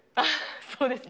そうですか？